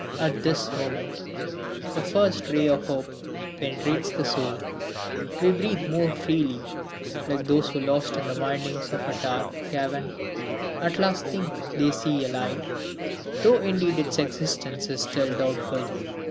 At this moment, the first ray of hope penetrates the soul. We breathe more freely like those who lost in the windings of a dark cavern at last think they see a light, though indeed its existence is still doubtful.